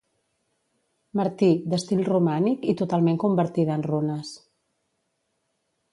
Martí, d'estil romànic i totalment convertida en runes.